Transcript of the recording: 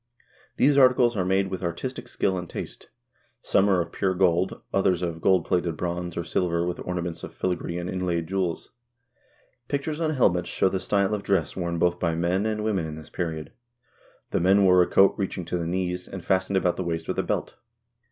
These articles are made with artistic skill and taste. Some are of pure gold, others of gold plated bronze, <>r silver, with ornaments of filigree and inlaid jewels. Pictures on helmets show the style of dress worn both by men and women in this period. The men wore a coat reaching to the knees, and fastened about the waist with a belt.